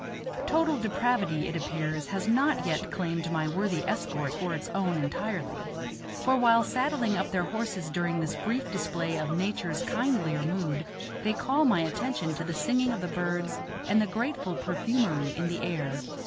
Total depravity, it appears, has not yet claimed my worthy escort for its own entirely, for while saddling up their horses during this brief display of nature's kindlier mood they call my attention to the singing of the birds and the grateful perfumery in the air.